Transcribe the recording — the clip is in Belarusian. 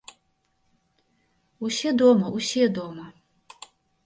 Усе дома, усе дома.